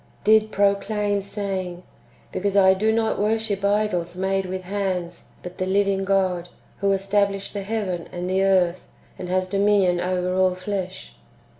"^ did proclaim, saying, " Because I do not worship idols made with hands, but the living God, who established the heaven and the earth, and has dominion over all flesh."